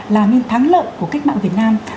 làm nên thắng lợi của cách mạng việt nam